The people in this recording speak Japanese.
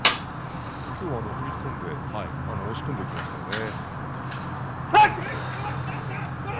今日は踏み込んで押し込んでいきましたね。